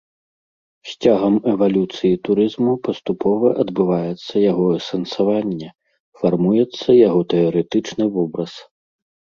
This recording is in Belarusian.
З цягам эвалюцыі турызму паступова адбываецца яго асэнсаванне, фармуецца яго тэарэтычны вобраз.